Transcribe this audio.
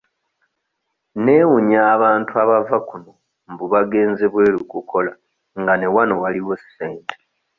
Neewuunya abantu abava kuno mbu bagenze bweru kukola nga ne wano waliwo ssente.